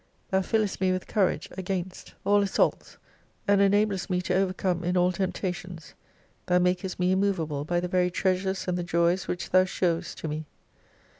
Thou fillest me with courage against all 76 ssaults, and enablest me to overcome in all tempta tions ; Thou makest me immovable by the very trea sures and the joys which Thou showest to me.